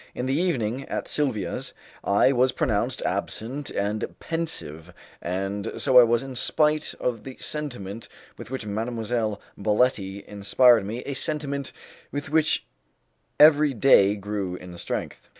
In the evening, at Silvia's, I was pronounced absent and pensive, and so I was in spite of the sentiment with which Mademoiselle Baletti inspired me a sentiment which every day grew in strength.